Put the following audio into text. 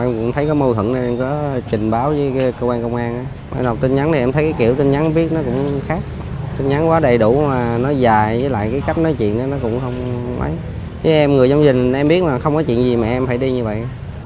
với em người trong dân em biết mà không có chuyện gì mà em phải đi như vậy